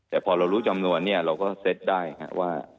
แต่พอเรารู้จำนวนเนี่ยเราก็เซ็ตได้ว่า